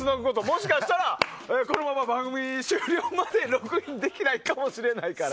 もしかしたらこのまま番組の終了までログインできないかもしれないから。